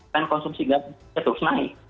dan konsumsi gandum ya terus naik